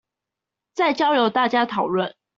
再交由大家討論